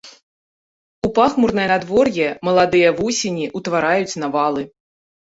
У пахмурнае надвор'е маладыя вусені ўтвараюць навалы.